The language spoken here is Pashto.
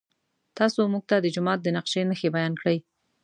تاسو موږ ته د جومات د نقشې نښې بیان کړئ.